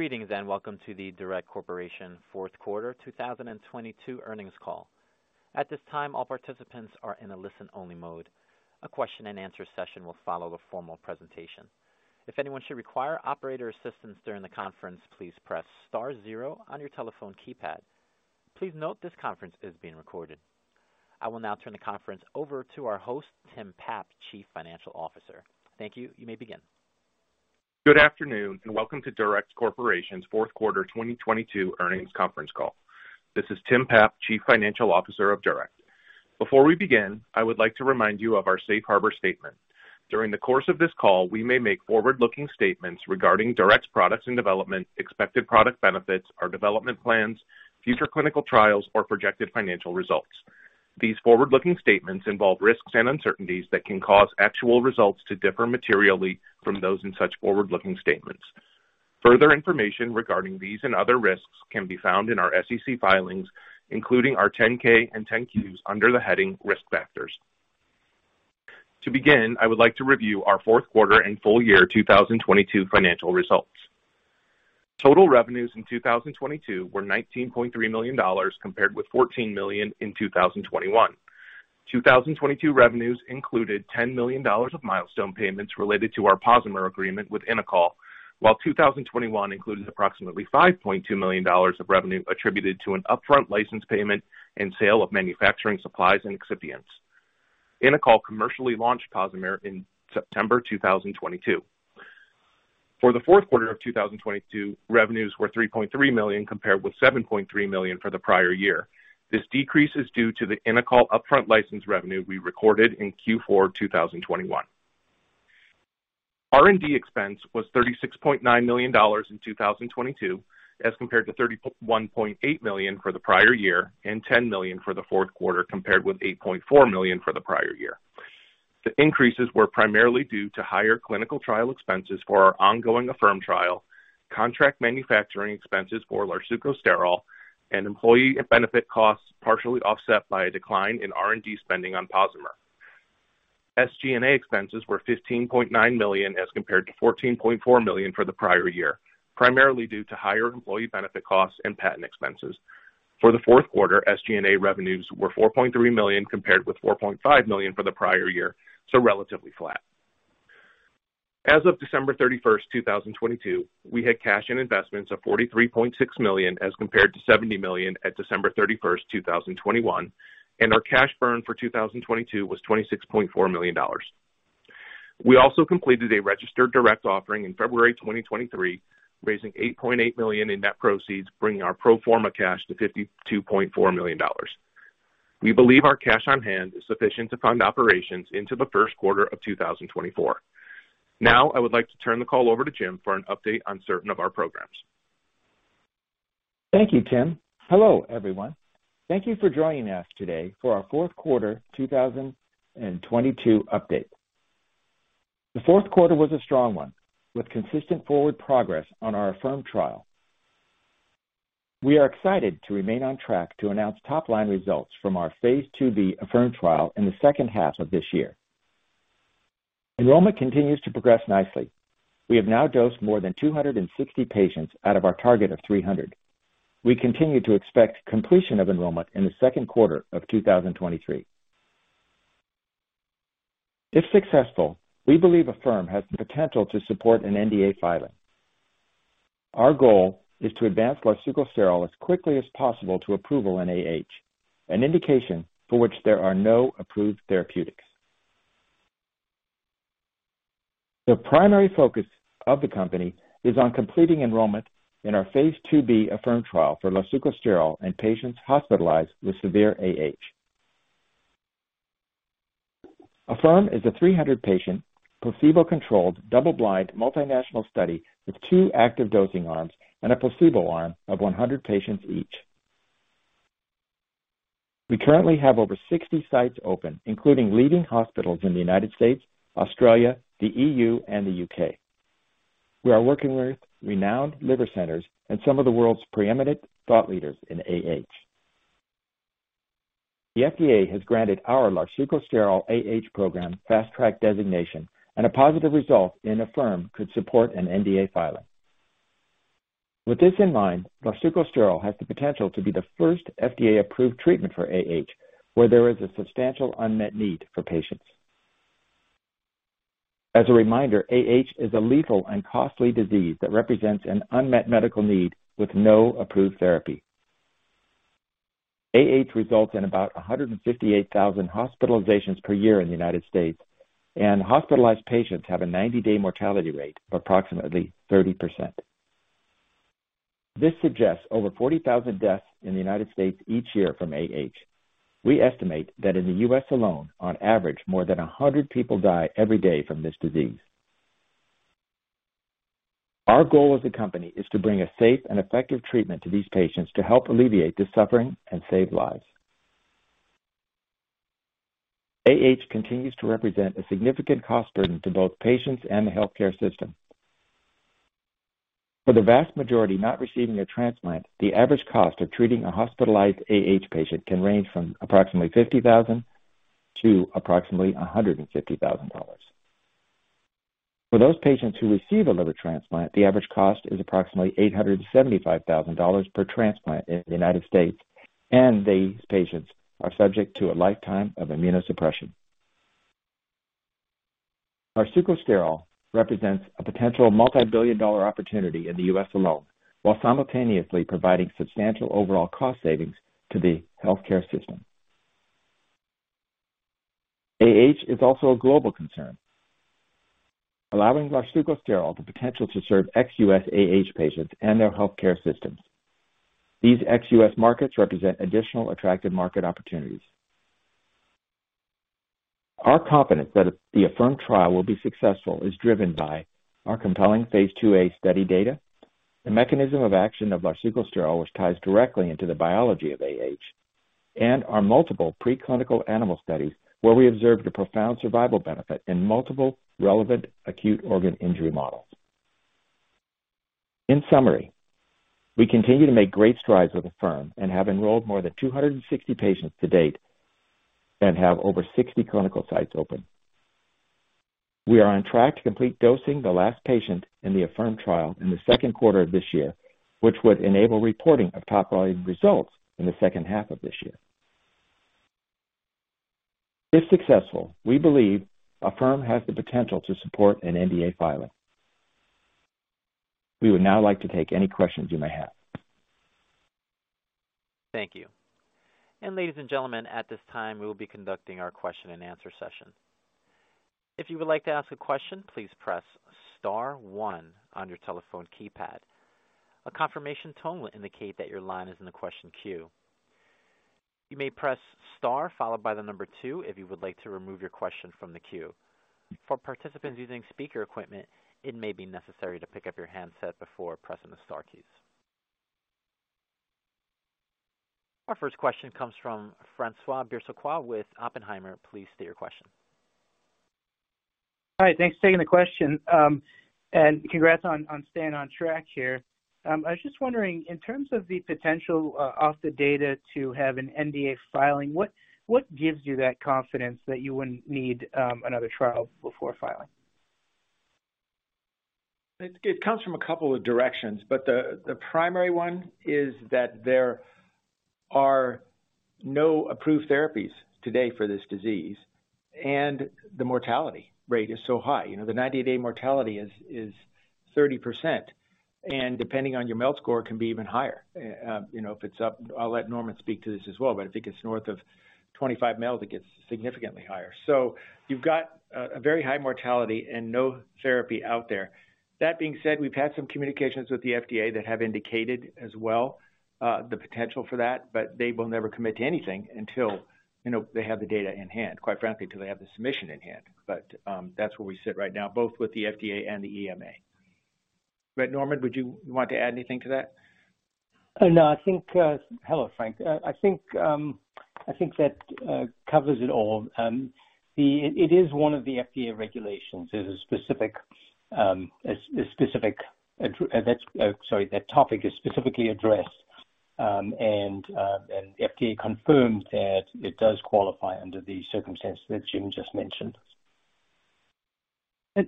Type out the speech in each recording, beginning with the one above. Greetings, welcome to the DURECT Corporation fourth quarter 2022 earnings call. At this time, all participants are in a listen-only mode. A question-and-answer session will follow the formal presentation. If anyone should require operator assistance during the conference, please press star zero on your telephone keypad. Please note this conference is being recorded. I will now turn the conference over to our host, Tim Papp, Chief Financial Officer. Thank you. You may begin. Good afternoon, and welcome to DURECT Corporation's fourth quarter 2022 earnings conference call. This is Tim Papp, Chief Financial Officer of DURECT. Before we begin, I would like to remind you of our safe harbor statement. During the course of this call, we may make forward-looking statements regarding DURECT's products and development, expected product benefits, our development plans, future clinical trials, or projected financial results. These forward-looking statements involve risks and uncertainties that can cause actual results to differ materially from those in such forward-looking statements. Further information regarding these and other risks can be found in our SEC filings, including our 10-K and 10-Qs under the heading Risk Factors. To begin, I would like to review our fourth quarter and full year 2022 financial results. Total revenues in 2022 were $19.3 million compared with $14 million in 2021. 2022 revenues included $10 million of milestone payments related to our POSIMIR agreement with Innocoll, while 2021 included approximately $5.2 million of revenue attributed to an upfront license payment and sale of manufacturing supplies and excipients. Innocoll commercially launched POSIMIR in September 2022. For the fourth quarter of 2022, revenues were $3.3 million, compared with $7.3 million for the prior year. This decrease is due to the Innocoll upfront license revenue we recorded in Q4 2021. R&D expense was $36.9 million in 2022 as compared to $31.8 million for the prior year and $10 million for the fourth quarter compared with $8.4 million for the prior year. The increases were primarily due to higher clinical trial expenses for our ongoing AHFIRM trial, contract manufacturing expenses for larsucosterol, and employee benefit costs partially offset by a decline in R&D spending on POSIMIR. SG&A expenses were $15.9 million as compared to $14.4 million for the prior year, primarily due to higher employee benefit costs and patent expenses. For the fourth quarter, SG&A revenues were $4.3 million, compared with $4.5 million for the prior year, so relatively flat. As of December 31st, 2022, we had cash and investments of $43.6 million as compared to $70 million at December 31st, 2021. Our cash burn for 2022 was $26.4 million. We also completed a registered direct offering in February 2023, raising $8.8 million in net proceeds, bringing our pro forma cash to $52.4 million. We believe our cash on hand is sufficient to fund operations into the first quarter of 2024. I would like to turn the call over to Jim for an update on certain of our programs. Thank you, Tim. Hello, everyone. Thank you for joining us today for our fourth quarter 2022 update. The fourth quarter was a strong one with consistent forward progress on our AHFIRM trial. We are excited to remain on track to announce top line results from our phase II-B AHFIRM trial in the second half of this year. Enrollment continues to progress nicely. We have now dosed more than 260 patients out of our target of 300. We continue to expect completion of enrollment in the second quarter of 2023. If successful, we believe AHFIRM has the potential to support an NDA filing. Our goal is to advance larsucosterol as quickly as possible to approval in AH, an indication for which there are no approved therapeutics. The primary focus of the company is on completing enrollment in our phase II-B AHFIRM trial for larsucosterol in patients hospitalized with severe AH. AHFIRM is a 300 patient placebo-controlled double-blind multinational study with two active dosing arms and a placebo arm of 100 patients each. We currently have over 60 sites open, including leading hospitals in the United States, Australia, the EU, and the UK. We are working with renowned liver centers and some of the world's preeminent thought leaders in AH. The FDA has granted our larsucosterol AH program fast track designation and a positive result in AHFIRM could support an NDA filing. With this in mind, larsucosterol has the potential to be the first FDA-approved treatment for AH, where there is a substantial unmet need for patients. As a reminder, AH is a lethal and costly disease that represents an unmet medical need with no approved therapy. AH results in about 158,000 hospitalizations per year in the United States, and hospitalized patients have a 90-day mortality rate of approximately 30%. This suggests over 40,000 deaths in the United States each year from AH. We estimate that in the U.S. alone, on average, more than 100 people die every day from this disease. Our goal as a company is to bring a safe and effective treatment to these patients to help alleviate the suffering and save lives. AH continues to represent a significant cost burden to both patients and the healthcare system. For the vast majority not receiving a transplant, the average cost of treating a hospitalized AH patient can range from approximately $50,000 to approximately $150,000. For those patients who receive a liver transplant, the average cost is approximately $875,000 per transplant in the United States, and these patients are subject to a lifetime of immunosuppression. Larsucosterol represents a potential multi-billion dollar opportunity in the U.S. alone, while simultaneously providing substantial overall cost savings to the healthcare system. AH is also a global concern, allowing larsucosterol the potential to serve ex-U.S. AH patients and their healthcare systems. These ex-U.S. markets represent additional attractive market opportunities. Our confidence that the AHFIRM trial will be successful is driven by our compelling phase II-A study data, the mechanism of action of larsucosterol, which ties directly into the biology of AH, and our multiple preclinical animal studies where we observed a profound survival benefit in multiple relevant acute organ injury models. In summary, we continue to make great strides with AHFIRM and have enrolled more than 260 patients to date and have over 60 clinical sites open. We are on track to complete dosing the last patient in the AHFIRM trial in the second quarter of this year, which would enable reporting of top line results in the second half of this year. If successful, we believe AHFIRM has the potential to support an NDA filing. We would now like to take any questions you may have. Thank you. Ladies and gentlemen, at this time we will be conducting our question and answer session. If you would like to ask a question, please press star one on your telephone keypad. A confirmation tone will indicate that your line is in the question queue. You may press star followed by two if you would like to remove your question from the queue. For participants using speaker equipment, it may be necessary to pick up your handset before pressing the star keys. Our first question comes from François Brisebois with Oppenheimer. Please state your question. Hi. Thanks for taking the question. Congrats on staying on track here. I was just wondering, in terms of the potential off the data to have an NDA filing, what gives you that confidence that you wouldn't need another trial before filing? It comes from a couple of directions, the primary one is that there are no approved therapies today for this disease, and the mortality rate is so high. You know, the 90-day mortality is 30% and depending on your MELD score, can be even higher. You know, I'll let Norman speak to this as well, I think it's north of 25 MELD, it gets significantly higher. You've got a very high mortality and no therapy out there. That being said, we've had some communications with the FDA that have indicated as well, the potential for that, they will never commit to anything until, you know, they have the data in hand, quite frankly, until they have the submission in hand. That's where we sit right now, both with the FDA and the EMA. Norman, would you want to add anything to that? No. I think. Hello, Frank. I think that covers it all. It is one of the FDA regulations. There's a specific. That topic is specifically addressed. The FDA confirmed that it does qualify under the circumstances that Jim just mentioned.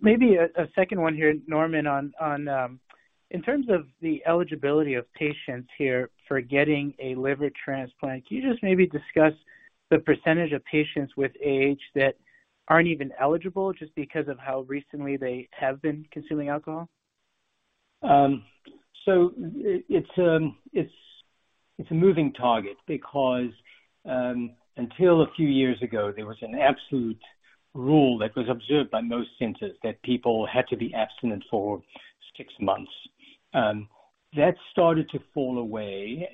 Maybe a second one here, Norman, on, in terms of the eligibility of patients here for getting a liver transplant, can you just maybe discuss the percentage of patients with AH that aren't even eligible just because of how recently they have been consuming alcohol? It's a moving target because until a few years ago, there was an absolute rule that was observed by most centers that people had to be abstinent for six months. That started to fall away,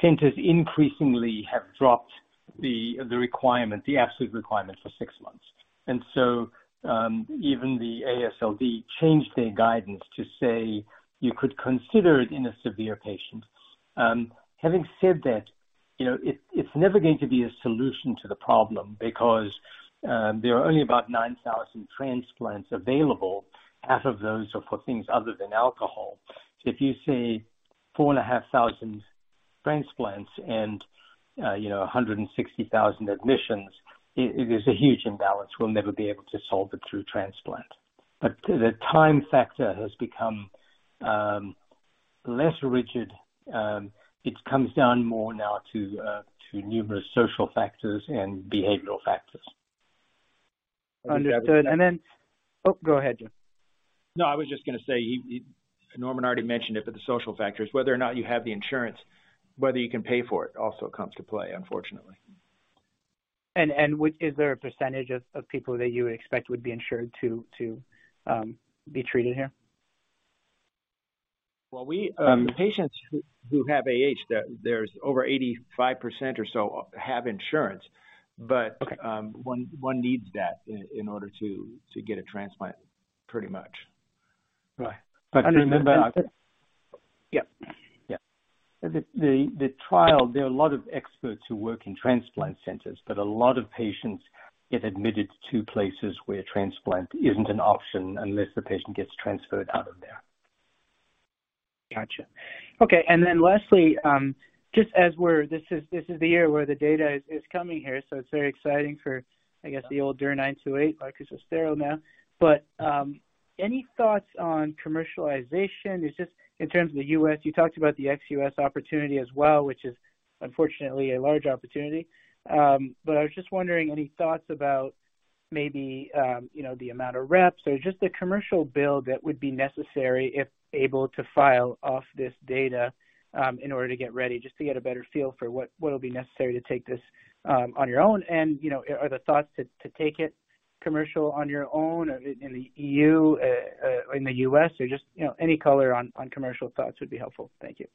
centers increasingly have dropped the requirement, the absolute requirement for six months. Even the AASLD changed their guidance to say you could consider it in a severe patient. Having said that, you know, it's never going to be a solution to the problem because there are only about 9,000 transplants available. Half of those are for things other than alcohol. If you say 4,500 transplants and, you know, 160,000 admissions, it is a huge imbalance. We'll never be able to solve it through transplant. The time factor has become less rigid. It comes down more now to numerous social factors and behavioral factors. Understood. Oh, go ahead, Jim. No, I was just gonna say, Norman already mentioned it. The social factors, whether or not you have the insurance, whether you can pay for it, also comes to play, unfortunately. Is there a percentage of people that you would expect would be insured to be treated here? We The patients who have AH, there's over 85% or so have insurance. Okay. one needs that in order to get a transplant, pretty much. Right. remember- Yep. Yeah. The trial, there are a lot of experts who work in transplant centers, but a lot of patients get admitted to places where transplant isn't an option unless the patient gets transferred out of there. Gotcha. Okay. Lastly, This is the year where the data is coming here, so it's very exciting for, I guess, the older 928 like larsucosterol now. Any thoughts on commercialization? It's just in terms of the U.S., you talked about the ex-U.S. opportunity as well, which is unfortunately a large opportunity. I was just wondering any thoughts about maybe the amount of reps or just the commercial build that would be necessary if able to file off this data to get ready just to get a better feel for what'll be necessary to take this on your own. You know, are the thoughts to take it commercial on your own or in the EU, in the US or just, you know, any color on commercial thoughts would be helpful. Thank you.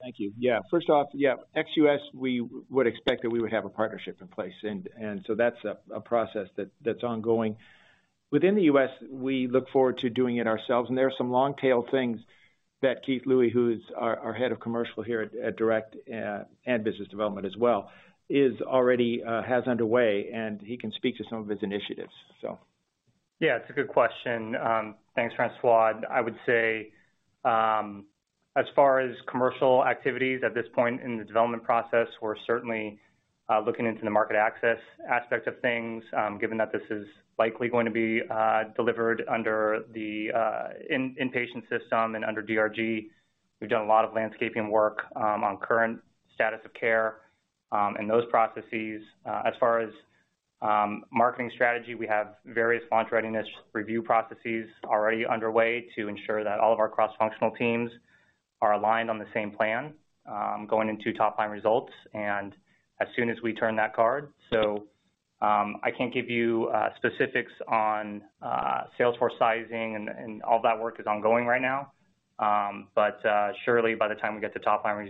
Thank you. First off, ex-US, we would expect that we would have a partnership in place and so that's a process that's ongoing. Within the US, we look forward to doing it ourselves, and there are some long tail things that Keith L. Lui, who's our head of commercial here at DURECT and business development as well, is already has underway, and he can speak to some of his initiatives. Yeah, it's a good question. Thanks, François. I would say, as far as commercial activities at this point in the development process, we're certainly looking into the market access aspect of things, given that this is likely going to be delivered under the inpatient system and under DRG. We've done a lot of landscaping work on current status of care and those processes. As far as marketing strategy, we have various launch readiness review processes already underway to ensure that all of our cross-functional teams are aligned on the same plan, going into top-line results and as soon as we turn that card. I can't give you specifics on sales force sizing and all that work is ongoing right now. Surely by the time we get to top-line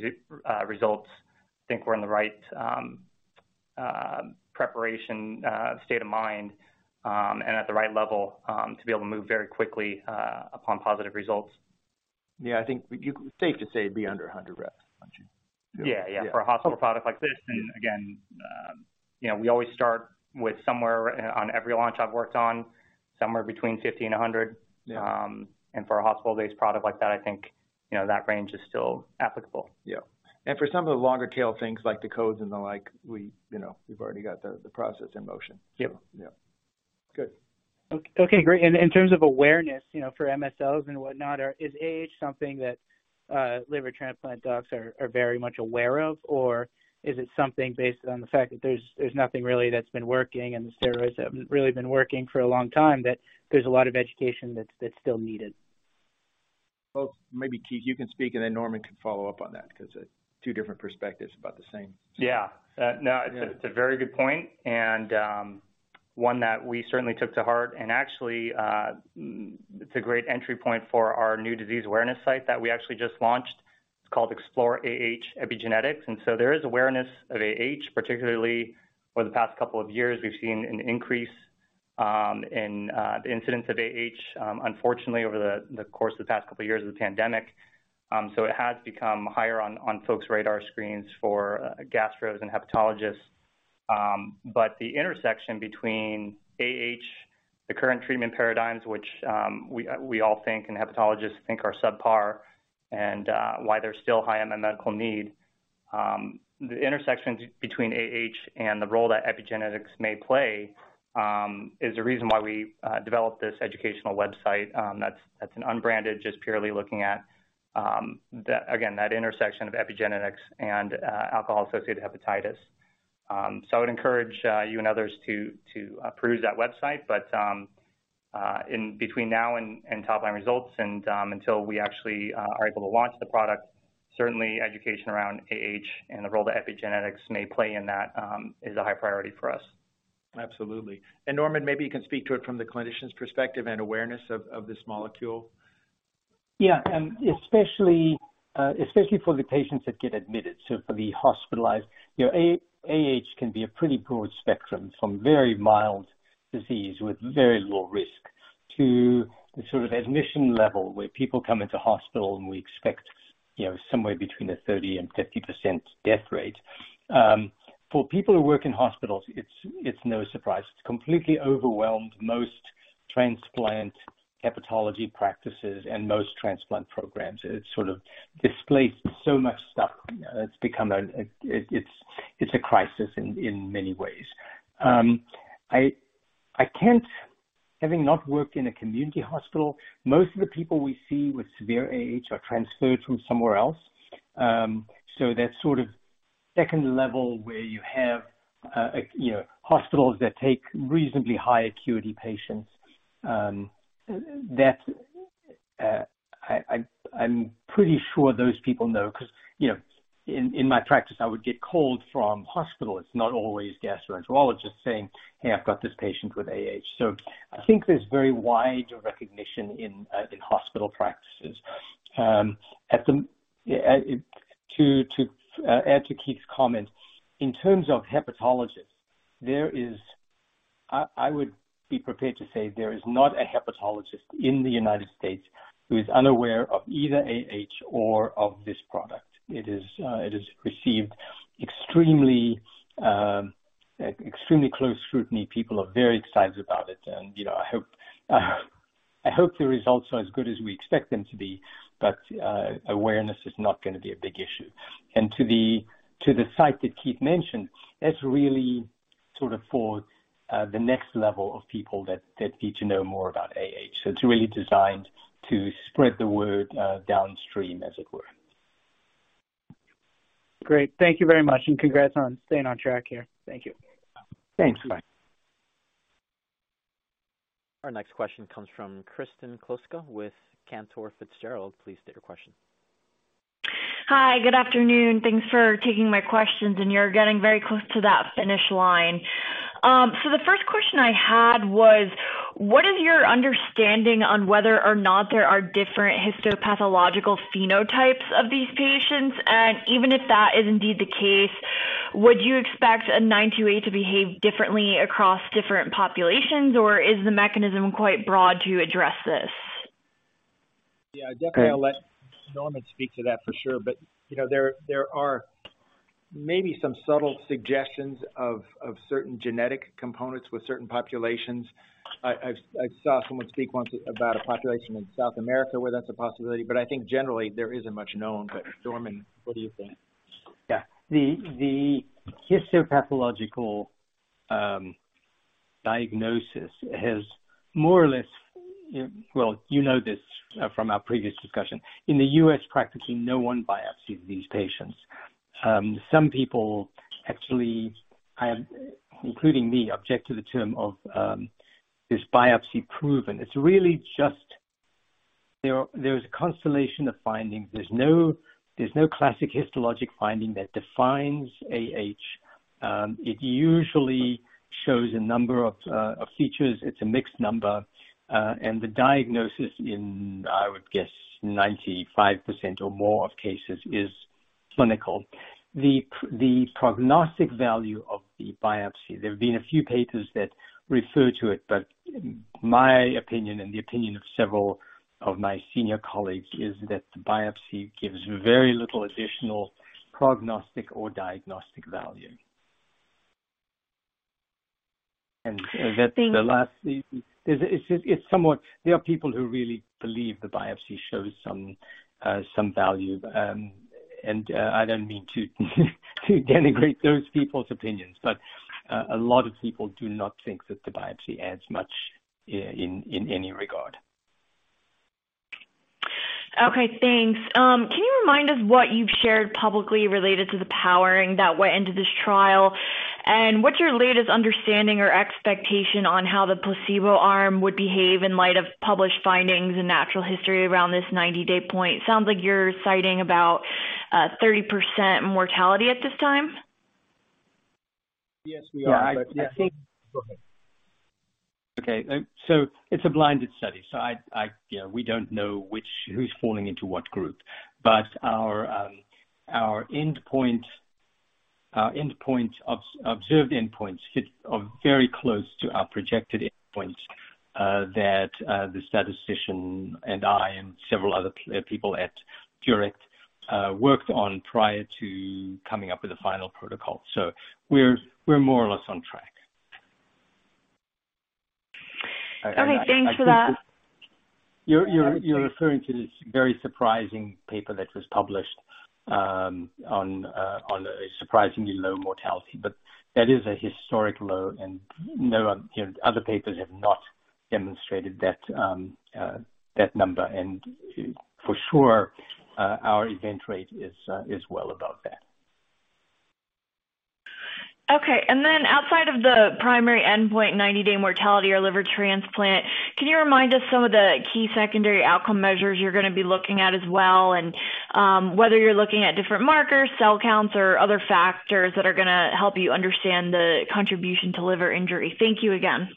results, I think we're in the right, preparation, state of mind, and at the right level, to be able to move very quickly, upon positive results. Yeah. I think safe to say it'd be under 100 reps, don't you? Yeah. Yeah. Yeah. For a hospital product like this, and again, you know, we always start with somewhere on every launch I've worked on, somewhere between 50 and 100. Yeah. For a hospital-based product like that, I think, you know, that range is still applicable. Yeah. For some of the longer tail things like the codes and the like, we, you know, we've already got the process in motion. Yeah. Yeah. Good. Okay, great. In terms of awareness, you know, for MSOs and whatnot, is AH something that liver transplant docs are very much aware of? Or is it something based on the fact that there's nothing really that's been working and the steroids haven't really been working for a long time, that there's a lot of education that's still needed? Maybe, Keith, you can speak, and then Norman can follow up on that because two different perspectives, but the same. Yeah. No, it's a very good point and one that we certainly took to heart. Actually, it's a great entry point for our new disease awareness site that we actually just launched. It's called Explore AH Epigenetics. There is awareness of AH, particularly over the past couple of years. We've seen an increase in the incidence of AH, unfortunately over the course of the past couple of years of the pandemic. It has become higher on folks' radar screens for gastros and hepatologists. The intersection between AH, the current treatment paradigms, which we all think and hepatologists think are subpar and why they're still high on the medical need. The intersections between AH and the role that epigenetics may play is the reason why we developed this educational website. That's an unbranded, just purely looking at, Again, that intersection of epigenetics and alcohol-associated hepatitis. I would encourage you and others to approve that website. In between now and top-line results and until we actually are able to launch the product, certainly education around AH and the role that epigenetics may play in that is a high priority for us. Absolutely. Norman, maybe you can speak to it from the clinician's perspective and awareness of this molecule. Especially for the patients that get admitted, so for the hospitalized. You know, AH can be a pretty broad spectrum, from very mild disease with very low risk to the sort of admission level where people come into hospital and we expect, you know, somewhere between a 30% and 50% death rate. For people who work in hospitals, it's no surprise. It's completely overwhelmed most transplant hepatology practices and most transplant programs. It sort of displaced so much stuff. You know, it's a crisis in many ways. Having not worked in a community hospital, most of the people we see with severe AH are transferred from somewhere else. That sort of second level where you have, you know, hospitals that take reasonably high acuity patients, that I'm pretty sure those people know 'cause, you know, in my practice, I would get called from hospital. It's not always gastroenterologists saying, "Hey, I've got this patient with AH." I think there's very wide recognition in hospital practices. To add to Keith's comment, in terms of hepatologists, there is. I would be prepared to say there is not a hepatologist in the United States who is unaware of either AH or of this product. It is received extremely close scrutiny. People are very excited about it and, you know, I hope the results are as good as we expect them to be. awareness is not gonna be a big issue. To the, to the site that Keith mentioned, that's really sort of for the next level of people that need to know more about AH. It's really designed to spread the word downstream, as it were. Great. Thank you very much and congrats on staying on track here. Thank you. Thanks. Bye. Our next question comes from Kristen Kluska with Cantor Fitzgerald. Please state your question. Hi, good afternoon. Thanks for taking my questions. You're getting very close to that finish line. The first question I had was, what is your understanding on whether or not there are different histopathological phenotypes of these patients? Even if that is indeed the case, would you expect DUR-928 to behave differently across different populations, or is the mechanism quite broad to address this? Yeah. Great. Definitely, I'll let Norman speak to that for sure. You know, there are maybe some subtle suggestions of certain genetic components with certain populations. I saw someone speak once about a population in South America where that's a possibility, I think generally there isn't much known. Norman, what do you think? Yeah. The histopathological diagnosis has more or less... Well, you know this from our previous discussion. In the U.S., practically no one biopsies these patients. Some people actually, including me, object to the term of, is biopsy proven. It's really just there's a constellation of findings. There's no classic histologic finding that defines AH. It usually shows a number of features. It's a mixed number. The diagnosis in, I would guess, 95% or more of cases is clinical. The prognostic value of the biopsy, there have been a few papers that refer to it, but my opinion and the opinion of several of my senior colleagues is that the biopsy gives very little additional prognostic or diagnostic value. Thank you. That's the last... It's somewhat there are people who really believe the biopsy shows some value. I don't mean to denigrate those people's opinions, but a lot of people do not think that the biopsy adds much in any regard. Okay, thanks. Can you remind us what you've shared publicly related to the powering that went into this trial? What's your latest understanding or expectation on how the placebo arm would behave in light of published findings and natural history around this 90-day point? Sounds like you're citing about 30% mortality at this time. Yes, we are. Yeah. I think. Go ahead. Okay. It's a blinded study. I, you know, we don't know which who's falling into what group. Our observed endpoints fit, are very close to our projected endpoints that the statistician and I and several other people at DURECT worked on prior to coming up with a final protocol. We're more or less on track. Okay, thanks for that. You're referring to this very surprising paper that was published on a surprisingly low mortality, but that is a historic low and no, you know, other papers have not demonstrated that number and for sure, our event rate is well above that. Okay. Outside of the primary endpoint, 90-day mortality or liver transplant, can you remind us some of the key secondary outcome measures you're gonna be looking at as well and whether you're looking at different markers, cell counts or other factors that are gonna help you understand the contribution to liver injury? Thank you again.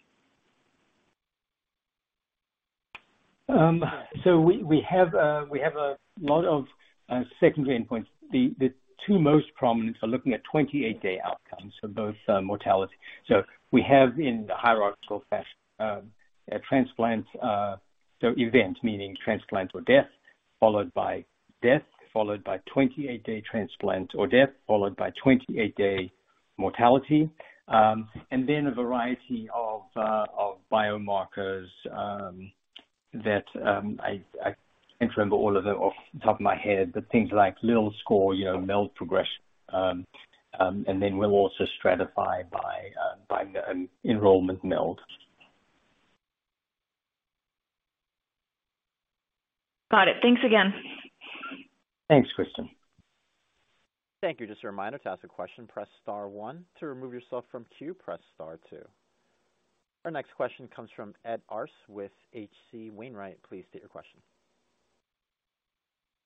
We have a lot of secondary endpoints. The two most prominent are looking at 28-day outcomes. Both mortality. We have in the hierarchical fashion a transplant, event, meaning transplant or death, followed by death, followed by 28-day transplant or death, followed by 28-day mortality. And then a variety of biomarkers that I can't remember all of them off the top of my head, but things like Lille score, you know, MELD progression. And then we'll also stratify by enrollment MELD. Got it. Thanks again. Thanks, Kristen. Thank you. Just a reminder, to ask a question, press star one. To remove yourself from queue, press star two. Our next question comes from Ed Arce with H.C. Wainwright. Please state your question.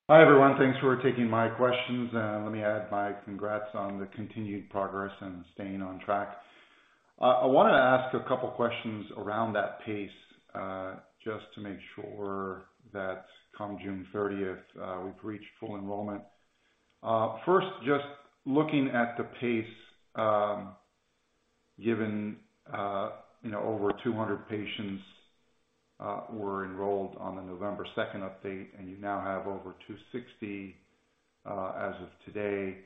Hi, everyone. Thanks for taking my questions, and let me add my congrats on the continued progress and staying on track. I wanna ask a couple questions around that pace, just to make sure that come June 30th, we've reached full enrollment. First, just looking at the pace, given, you know, over 200 patients were enrolled on the November 2nd update, and you now have over 260, as of today.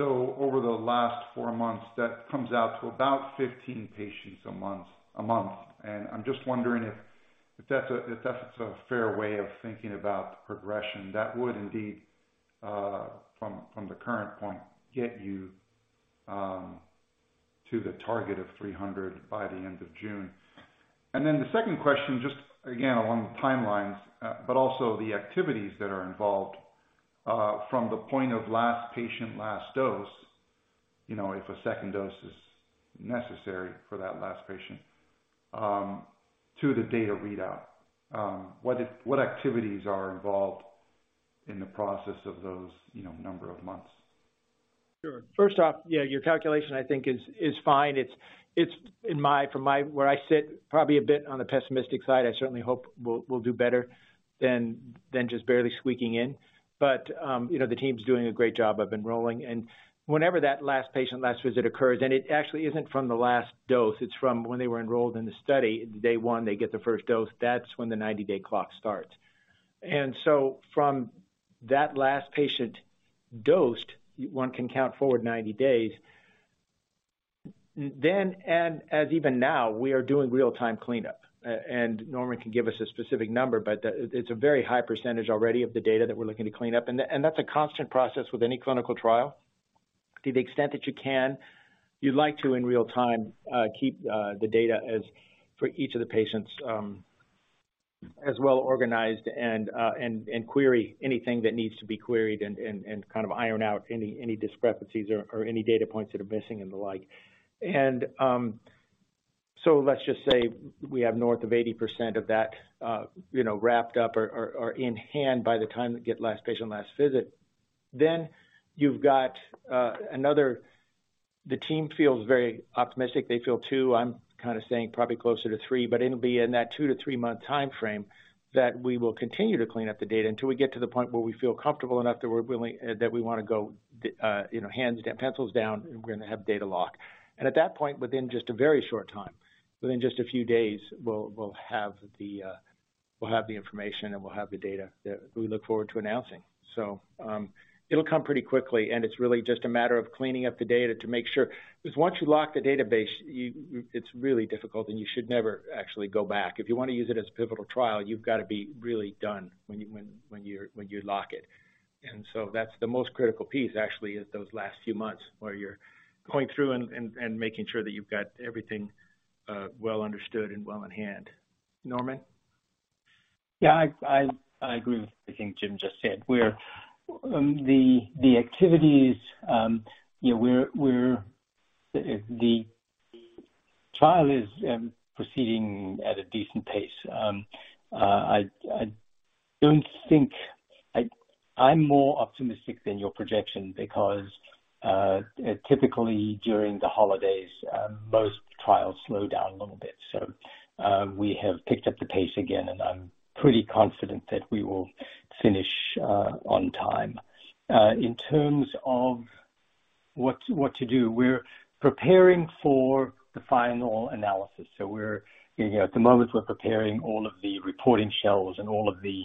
Over the last four months, that comes out to about 15 patients a month. I'm just wondering if that's a fair way of thinking about the progression. That would indeed, from the current point, get you, to the target of 300 by the end of June. The second question, just again, along the timelines, but also the activities that are involved, from the point of last patient last dose, you know, if a second dose is necessary for that last patient, to the data readout, what activities are involved in the process of those, you know, number of months? Sure. First off, yeah, your calculation, I think is fine. It's, where I sit, probably a bit on the pessimistic side. I certainly hope we'll do better than just barely squeaking in. You know, the team's doing a great job of enrolling. Whenever that last patient, last visit occurs, and it actually isn't from the last dose, it's from when they were enrolled in the study. Day 1, they get the first dose. That's when the 90-day clock starts. From that last patient dosed, one can count forward 90 days. As even now, we are doing real-time cleanup. Norman can give us a specific number, but it's a very high percentage already of the data that we're looking to clean up. That's a constant process with any clinical trial. To the extent that you can, you'd like to, in real time, keep the data as for each of the patients, as well organized and query anything that needs to be queried and kind of iron out any discrepancies or any data points that are missing and the like. Let's just say we have north of 80% of that, you know, wrapped up or in hand by the time we get last patient, last visit. Then you've got another... The team feels very optimistic. They feel two. I'm kind of saying probably closer to three, but it'll be in that two-three month timeframe that we will continue to clean up the data until we get to the point where we feel comfortable enough that we're willing, that we wanna go, you know, hands down, pencils down, and we're gonna have data lock. At that point, within just a very short time, within just a few days, we'll have the information, and we'll have the data that we look forward to announcing. It'll come pretty quickly, and it's really just a matter of cleaning up the data to make sure. 'Cause once you lock the database, it's really difficult, and you should never actually go back. If you wanna use it as pivotal trial, you've got to be really done when you're when you lock it. That's the most critical piece, actually, is those last few months where you're going through and making sure that you've got everything well understood and well in hand. Norman? I agree with everything Jim just said. We're the activities, you know, the trial is proceeding at a decent pace. I'm more optimistic than your projection because typically during the holidays, most trials slow down a little bit. We have picked up the pace again, and I'm pretty confident that we will finish on time. In terms of what to do, we're preparing for the final analysis. We're, you know, at the moment, we're preparing all of the reporting shelves and all of the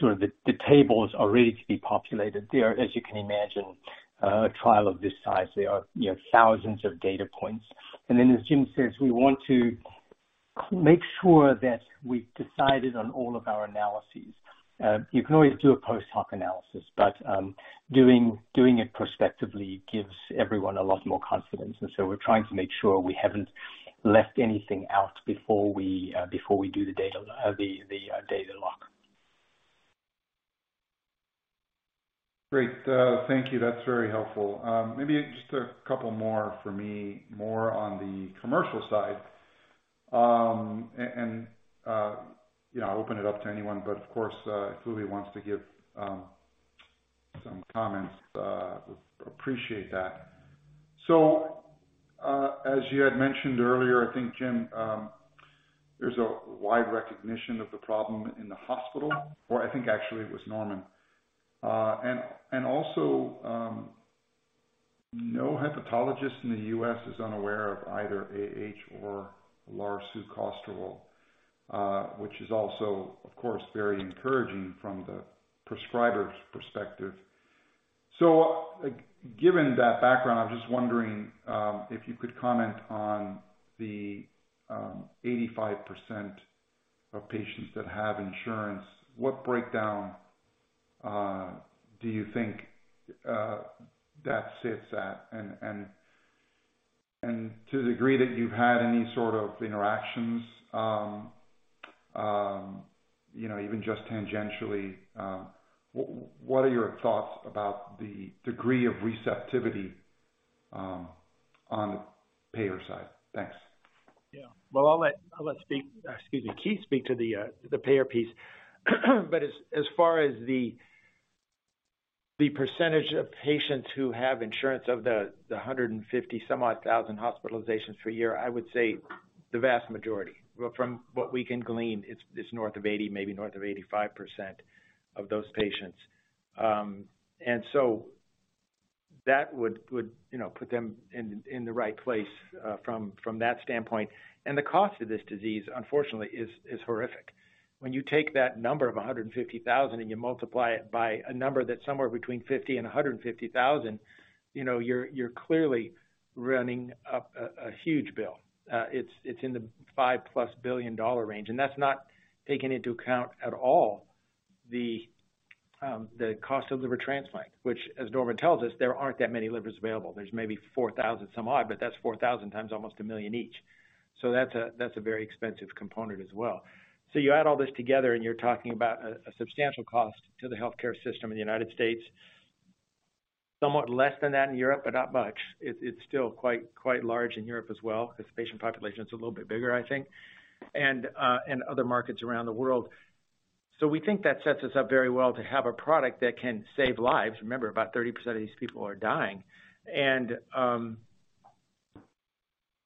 sort of the tables are ready to be populated. They are, as you can imagine, a trial of this size. There are, you know, thousands of data points. As Jim says, we want to make sure that we've decided on all of our analyses. You can always do a post-hoc analysis, but doing it prospectively gives everyone a lot more confidence. We're trying to make sure we haven't left anything out before we do the data, the, data lock. Great. Thank you. That's very helpful. Maybe just a couple more for me, more on the commercial side. You know, I'll open it up to anyone, but of course, if [Uli wants to give some comments, appreciate that. As you had mentioned earlier, I think, Jim, there's a wide recognition of the problem in the hospital, or I think actually it was Norman. Also, no hepatologist in the US is unaware of either AH or larsucosterol, which is also, of course, very encouraging from the prescriber's perspective. Given that background, I was just wondering if you could comment on the 85% of patients that have insurance. What breakdown do you think that sits at? To the degree that you've had any sort of interactions, you know, even just tangentially, what are your thoughts about the degree of receptivity, on the payer side? Thanks. Yeah. Well, I'll let Keith speak to the payer piece. As far as the % of patients who have insurance of the 150 some odd thousand hospitalizations per year, I would say the vast majority. Well, from what we can glean, it's north of 80, maybe north of 85% of those patients. That would, you know, put them in the right place from that standpoint. The cost of this disease, unfortunately, is horrific. When you take that number of 150,000 and you multiply it by a number that's somewhere between $50,000 and $150,000, you know, you're clearly running up a huge bill. It's in the $5+ billion range, and that's not taking into account at all the cost of liver transplant. Which, as Norman tells us, there aren't that many livers available. There's maybe 4,000 some odd, but that's 4,000 times almost $1 million each. That's a very expensive component as well. You add all this together and you're talking about a substantial cost to the healthcare system in the United States. Somewhat less than that in Europe, but not much. It's still quite large in Europe as well, 'cause the patient population's a little bit bigger, I think, and other markets around the world. We think that sets us up very well to have a product that can save lives. Remember, about 30% of these people are dying.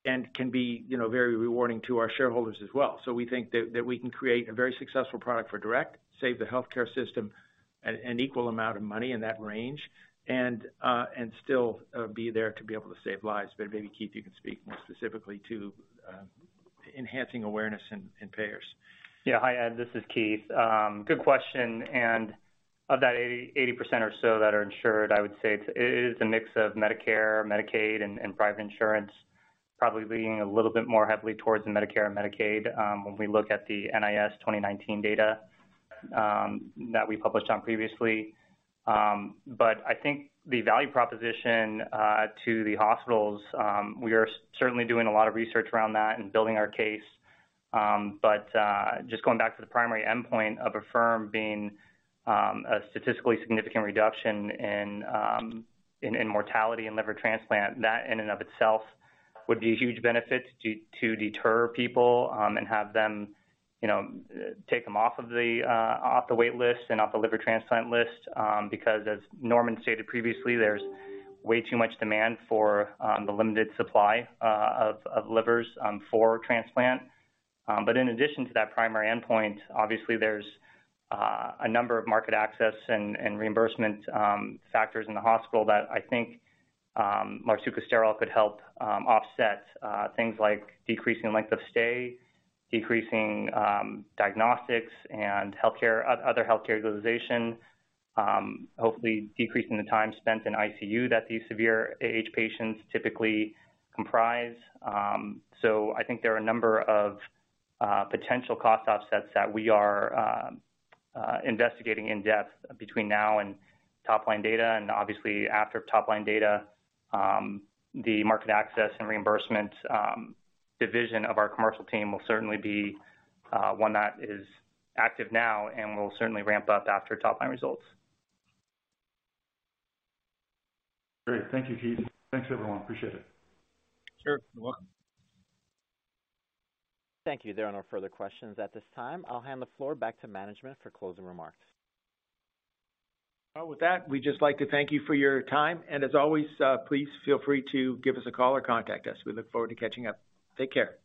Can be, you know, very rewarding to our shareholders as well. We think that we can create a very successful product for DURECT, save the healthcare system an equal amount of money in that range, and still be there to be able to save lives. Maybe, Keith, you can speak more specifically to enhancing awareness in payers. Yeah. Hi, Ed, this is Keith. Good question. Of that 80% or so that are insured, I would say it's, it is a mix of Medicare, Medicaid and private insurance, probably leaning a little bit more heavily towards the Medicare and Medicaid, when we look at the NIS 2019 data that we published on previously. I think the value proposition to the hospitals, we are certainly doing a lot of research around that and building our case. Just going back to the primary endpoint of AHFIRM being a statistically significant reduction in mortality and liver transplant, that in and of itself would be a huge benefit to deter people and have them, you know, take them off the wait list and off the liver transplant list. Because as Norman stated previously, there's way too much demand for the limited supply of livers for transplant. In addition to that primary endpoint, obviously there's a number of market access and reimbursement factors in the hospital that I think larsucosterol could help offset things like decreasing length of stay, decreasing diagnostics and other healthcare utilization, hopefully decreasing the time spent in ICU that these severe AH patients typically comprise. I think there are a number of potential cost offsets that we are investigating in depth between now and top line data. Obviously after top line data, the market access and reimbursement division of our commercial team will certainly be one that is active now and will certainly ramp up after top line results. Great. Thank you, Keith. Thanks everyone. Appreciate it. Sure. You're welcome. Thank you. There are no further questions at this time. I'll hand the floor back to management for closing remarks. With that, we'd just like to thank you for your time, and as always, please feel free to give us a call or contact us. We look forward to catching up. Take care.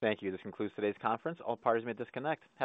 Thank you. This concludes today's conference. All parties may disconnect.